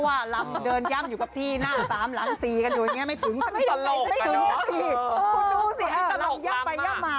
ว่าลำเดินย่ำอยู่กับที่หน้า๓หลัง๔ไม่ถึงสักทีลำย่ำไปย่ำมานะฮะ